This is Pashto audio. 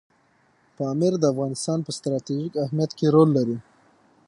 پامیر د افغانستان په ستراتیژیک اهمیت کې رول لري.